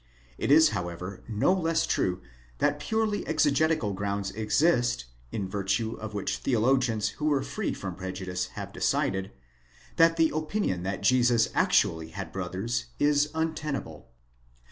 It is however no less true that purely exegetical grounds exist, in virtue of which theologians who were free from prejudice have decided, that the opinion that Jesus actually had brothers is untenable.